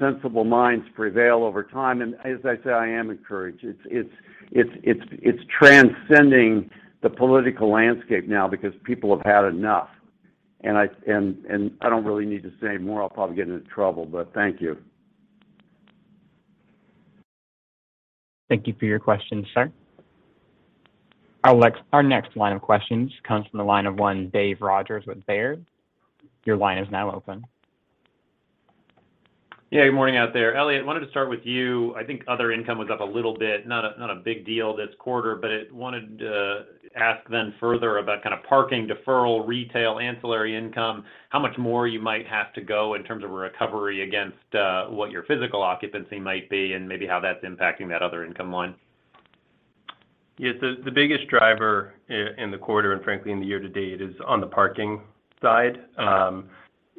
sensible minds prevail over time. As I say, I am encouraged. It's transcending the political landscape now because people have had enough. I don't really need to say more. I'll probably get into trouble, but thank you. Thank you for your question, sir. Our next line of questions comes from the line of Dave Rogers with Baird. Your line is now open. Yeah. Good morning out there. Eliott, wanted to start with you. I think other income was up a little bit, not a big deal this quarter, but wanted to ask then further about kind of parking deferral, retail, ancillary income, how much more you might have to go in terms of a recovery against what your physical occupancy might be and maybe how that's impacting that other income line. Yes. The biggest driver in the quarter and frankly in the year to date is on the parking side.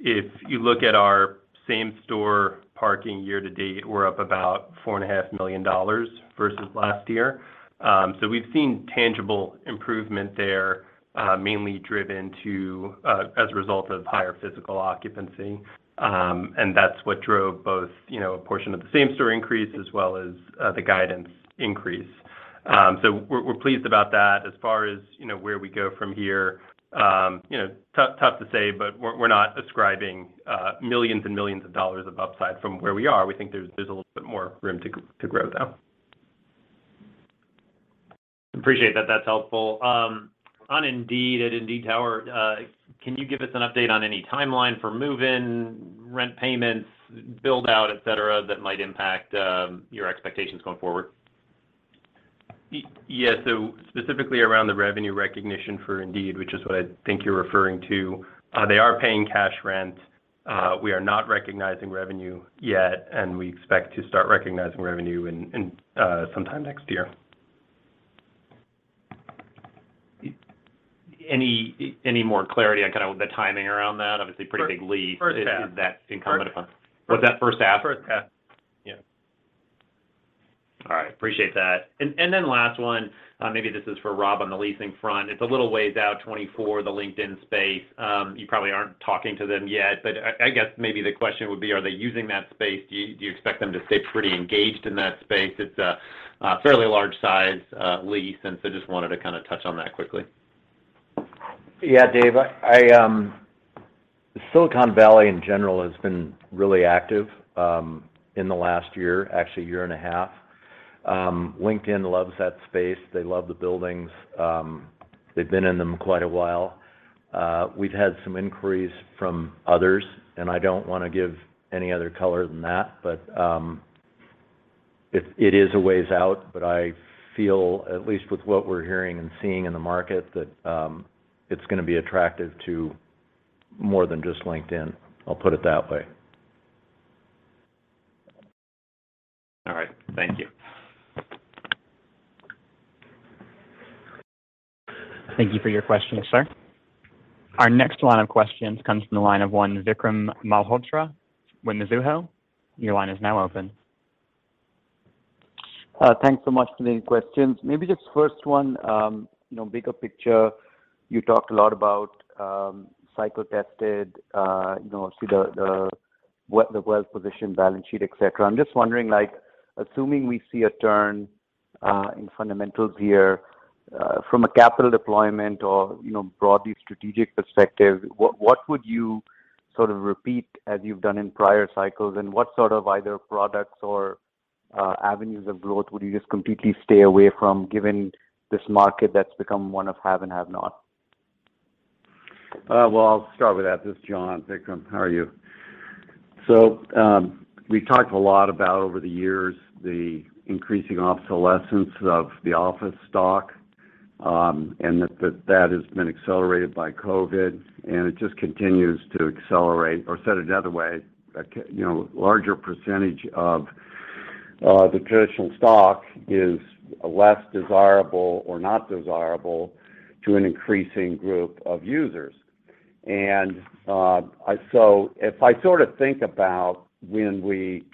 If you look at our same-store parking year to date, we're up about $4.5 million versus last year. So we've seen tangible improvement there, mainly due to higher physical occupancy. That's what drove both, you know, a portion of the same-store increase as well as the guidance increase. So we're pleased about that. As far as, you know, where we go from here, you know, tough to say, but we're not ascribing millions and millions of dollars of upside from where we are. We think there's a little bit more room to grow, though. Appreciate that. That's helpful. On Indeed at Indeed Tower, can you give us an update on any timeline for move-in, rent payments, build-out, et cetera, that might impact your expectations going forward? Yes. Specifically around the revenue recognition for Indeed, which is what I think you're referring to, they are paying cash rent. We are not recognizing revenue yet, and we expect to start recognizing revenue sometime next year. Any more clarity on kind of the timing around that? Obviously pretty big lease. First half. Is that incumbent upon? First half. Was that first half? First half. Yeah. All right. Appreciate that. Then last one, maybe this is for Rob on the leasing front. It's a little ways out, 2024, the LinkedIn space. You probably aren't talking to them yet, but I guess maybe the question would be, are they using that space? Do you expect them to stay pretty engaged in that space? It's a fairly large size lease, and so just wanted to kind of touch on that quickly. Yeah, Dave. Silicon Valley in general has been really active in the last year, actually year and a half. LinkedIn loves that space. They love the buildings. They've been in them quite a while. We've had some inquiries from others, and I don't wanna give any other color than that, but it is a ways out, but I feel at least with what we're hearing and seeing in the market, that it's gonna be attractive to more than just LinkedIn. I'll put it that way. All right. Thank you. Thank you for your questions, sir. Our next line of questions comes from the line of Vikram Malhotra with Mizuho. Your line is now open. Thanks so much for taking the questions. Maybe just first one, you know, bigger picture You talked a lot about cycle tested, you know, the well-positioned balance sheet, et cetera. I'm just wondering, like, assuming we see a turn in fundamentals here, from a capital deployment or, you know, broadly strategic perspective, what would you sort of repeat as you've done in prior cycles? What sort of either products or avenues of growth would you just completely stay away from given this market that's become one of haves and have-nots? I'll start with that. This is John. Vikram, how are you? We talked a lot about over the years the increasing obsolescence of the office stock, and that has been accelerated by COVID, and it just continues to accelerate. Said another way, you know, larger percentage of the traditional stock is less desirable or not desirable to an increasing group of users. If I sort of think about when we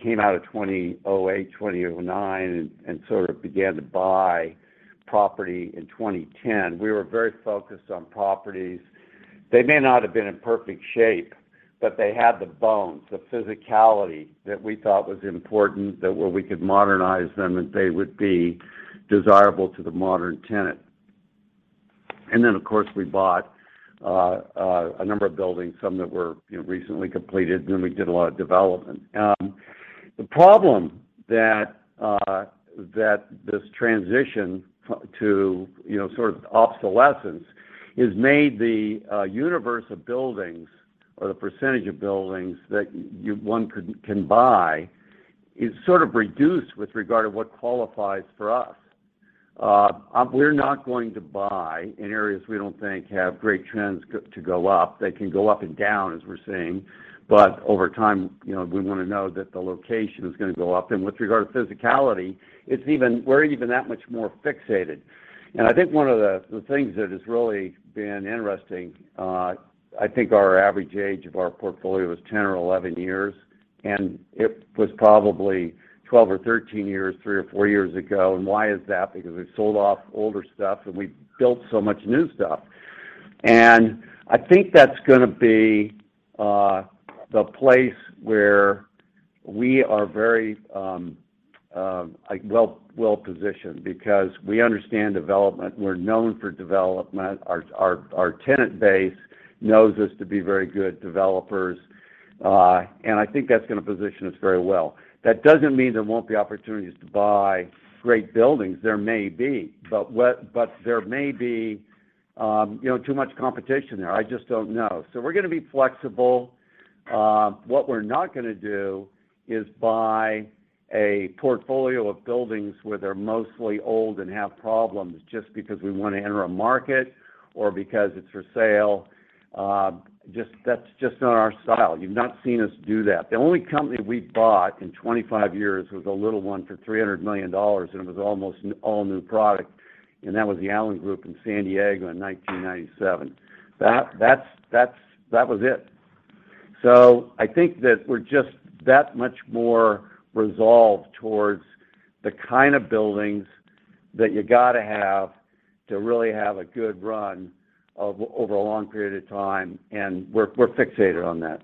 came out of 2008, 2009 and sort of began to buy property in 2010, we were very focused on properties. They may not have been in perfect shape, but they had the bones, the physicality that we thought was important, that where we could modernize them, and they would be desirable to the modern tenant. Of course, we bought a number of buildings, some that were, you know, recently completed, and then we did a lot of development. The problem that this transition to, you know, sort of obsolescence has made the universe of buildings or the percentage of buildings that one can buy is sort of reduced with regard to what qualifies for us. We're not going to buy in areas we don't think have great trends to go up. They can go up and down, as we're seeing. Over time, you know, we wanna know that the location is gonna go up. With regard to physicality, we're even that much more fixated. I think one of the things that has really been interesting. I think our average age of our portfolio is 10 or 11 years, and it was probably 12 or 13 years, 3 or 4 years ago. Why is that? Because we've sold off older stuff, and we've built so much new stuff. I think that's gonna be the place where we are very like, well-positioned because we understand development. We're known for development. Our tenant base knows us to be very good developers. I think that's gonna position us very well. That doesn't mean there won't be opportunities to buy great buildings. There may be. There may be, you know, too much competition there. I just don't know. We're gonna be flexible. What we're not gonna do is buy a portfolio of buildings where they're mostly old and have problems just because we wanna enter a market or because it's for sale. That's just not our style. You've not seen us do that. The only company we bought in 25 years was a little one for $300 million, and it was almost all new product, and that was The Allen Group in San Diego in 1997. That was it. I think that we're just that much more resolved towards the kind of buildings that you gotta have to really have a good run of over a long period of time, and we're fixated on that.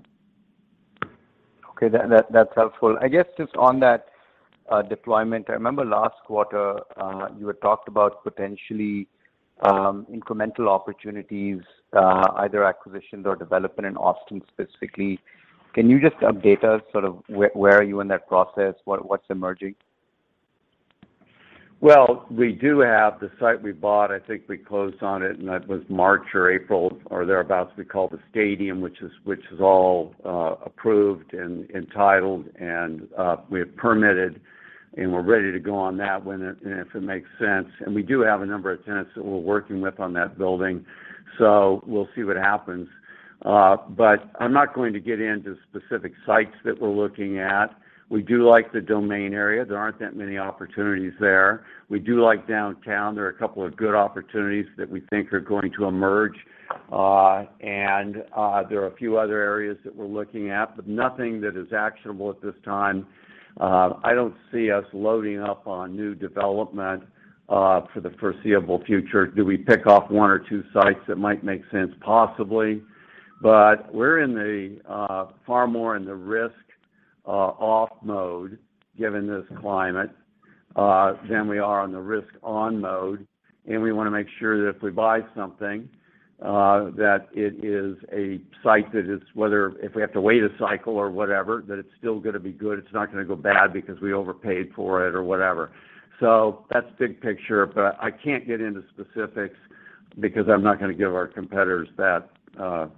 Okay. That's helpful. I guess just on that, deployment, I remember last quarter, you had talked about potentially, incremental opportunities, either acquisitions or development in Austin specifically. Can you just update us sort of where are you in that process? What's emerging? Well, we do have the site we bought. I think we closed on it, and that was March or April or thereabouts. We call the Stadium, which is all approved and entitled, and we have permitted, and we're ready to go on that one if it makes sense. We do have a number of tenants that we're working with on that building, so we'll see what happens. I'm not going to get into specific sites that we're looking at. We do like The Domain area. There aren't that many opportunities there. We do like downtown. There are a couple of good opportunities that we think are going to emerge. There are a few other areas that we're looking at, but nothing that is actionable at this time. I don't see us loading up on new development for the foreseeable future. Do we pick off one or two sites that might make sense? Possibly. We're in a far more in the risk off mode given this climate than we are on the risk on mode. We wanna make sure that if we buy something that it is a site that is whether if we have to wait a cycle or whatever, that it's still gonna be good. It's not gonna go bad because we overpaid for it or whatever. That's big picture, but I can't get into specifics because I'm not gonna give our competitors that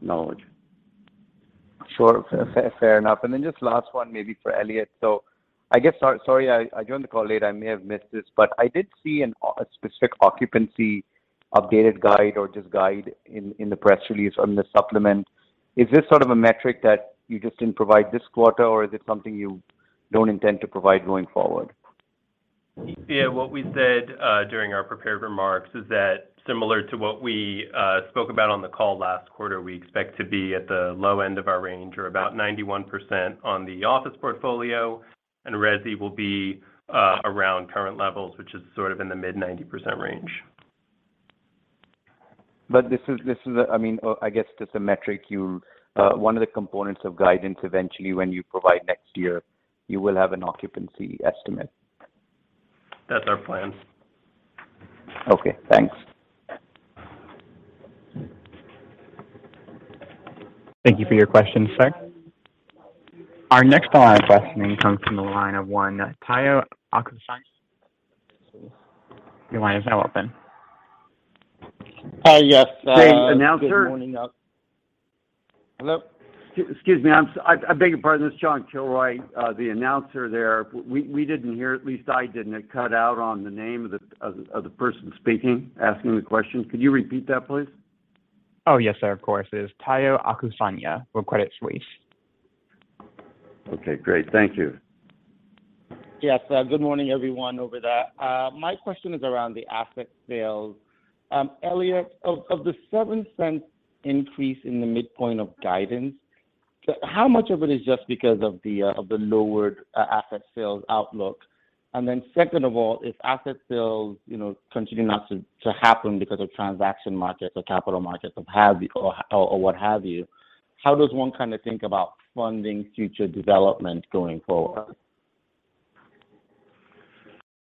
knowledge. Sure. Fair enough. Then just last one maybe for Eliott. I guess, sorry, I joined the call late, I may have missed this, but I did see a specific occupancy updated guide or just guide in the press release on the supplement. Is this sort of a metric that you just didn't provide this quarter, or is it something you don't intend to provide going forward? Yeah. What we said during our prepared remarks is that similar to what we spoke about on the call last quarter, we expect to be at the low end of our range or about 91% on the office portfolio. Resi will be around current levels, which is sort of in the mid-90% range. This is, I mean, I guess, just a metric, one of the components of guidance eventually when you provide next year. You will have an occupancy estimate. That's our plan. Okay. Thanks. Thank you for your question, sir. Our next live question comes from the line of one Tayo Okusanya. Your line is now open. Hi. Yes. The announcer. Good morning, Hello? Excuse me. I beg your pardon. This is John Kilroy, the announcer there. We didn't hear, at least I didn't. It cut out on the name of the person speaking, asking the question. Could you repeat that, please? Oh, yes sir, of course. It is Tayo Okusanya with Credit Suisse. Okay, great. Thank you. Yes. Good morning everyone over there. My question is around the asset sales. Eliott, of the $0.07 increase in the midpoint of guidance, how much of it is just because of the lowered asset sales outlook? Second of all, if asset sales, you know, continue not to happen because of transaction markets or capital markets or what have you, how does one kind of think about funding future development going forward?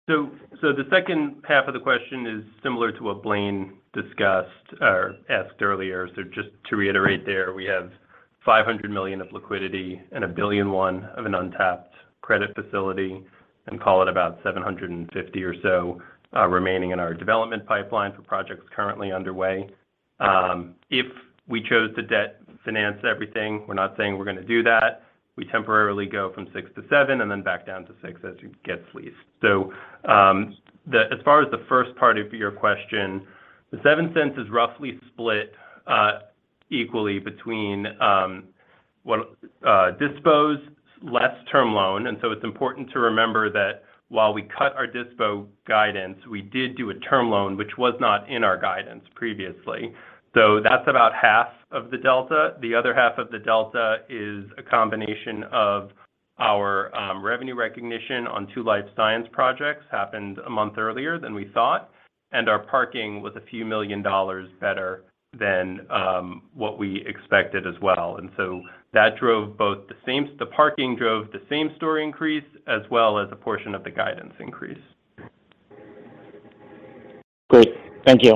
The second half of the question is similar to what Blaine discussed or asked earlier. Just to reiterate there, we have $500 million of liquidity and $1.1 billion of an untapped credit facility, and call it about $750 or so remaining in our development pipeline for projects currently underway. If we chose to debt finance everything, we're not saying we're gonna do that, we temporarily go from six to seven and then back down to six as it gets leased. As far as the first part of your question, the $0.07 is roughly split equally between, well, dispos less term loan. It's important to remember that while we cut our dispo guidance, we did do a term loan, which was not in our guidance previously. That's about half of the delta. The other half of the delta is a combination of our revenue recognition on two life science projects, happened a month earlier than we thought, and our parking was $a few million better than what we expected as well. That drove both the same-store increase as well as a portion of the guidance increase. Great. Thank you.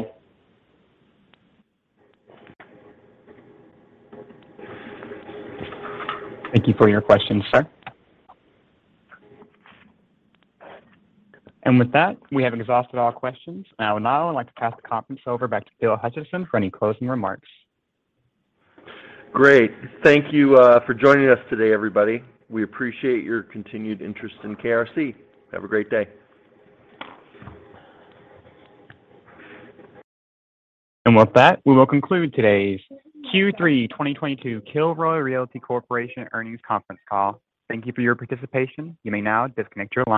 Thank you for your question, sir. With that, we have exhausted all questions. I would now like to pass the conference over back to Bill Hutcheson for any closing remarks. Great. Thank you, for joining us today, everybody. We appreciate your continued interest in KRC. Have a great day. With that, we will conclude today's Q3 2022 Kilroy Realty Corporation earnings conference call. Thank you for your participation. You may now disconnect your line.